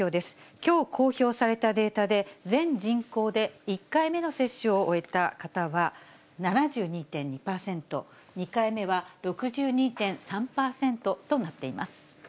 きょう公表されたデータで、全人口で１回目の接種を終えた方は７２．２％、２回目は６２．３％となっています。